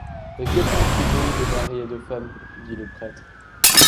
Et que parles-tu donc de mari et de femme? dit le prêtre.